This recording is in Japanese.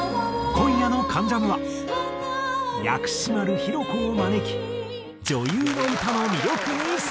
今夜の『関ジャム』は薬師丸ひろ子を招き女優の歌の魅力に迫る。